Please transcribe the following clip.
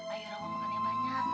air rawat makan yang banyak